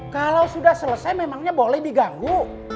kalau sudah selesai memangnya boleh diganggu